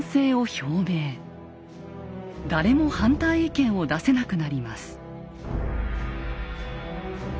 誰も反対意見を出せなくなります。